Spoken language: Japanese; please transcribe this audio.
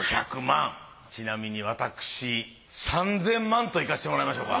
ちなみに私３，０００万といかせてもらいましょうか。